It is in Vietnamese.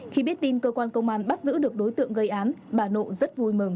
khi biết tin cơ quan công an bắt giữ được đối tượng gây án bà nộ rất vui mừng